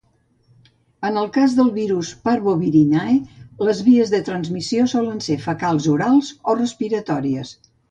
En el cas dels virus "Parvovirinae", les vies de transmissió solen ser fecals-orals o respiratòries.